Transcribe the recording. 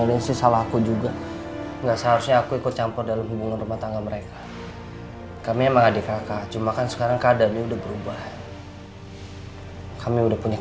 ini bukan urusan kalian